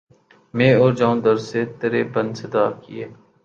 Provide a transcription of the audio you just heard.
میں اور جاؤں در سے ترے بن صدا کیے